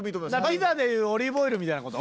ピザで言うオリーブオイルみたいな事？